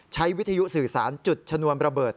วิทยุสื่อสารจุดชนวนระเบิด